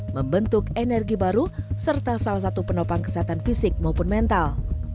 membentuk energi baru serta salah satu penopang kesehatan fisik maupun mental